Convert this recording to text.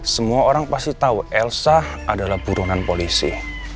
semua orang pasti tahu elsa adalah buronan polisi